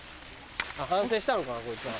反省したのかなこいつら。